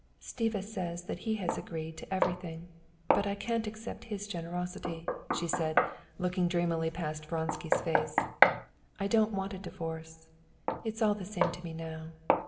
"Stiva says that he has agreed to everything, but I can't accept his generosity," she said, looking dreamily past Vronsky's face. "I don't want a divorce; it's all the same to me now.